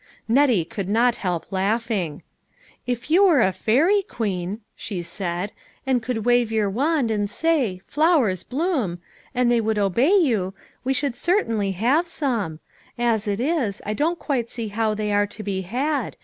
Nettie could not help laughing. " If you were a fairy queen," she said, "and could wave your wand and say, ' Flowers, bloom,' and they would obey you, we should certainly have some ;'as it is, I don't quite see how they are to be had.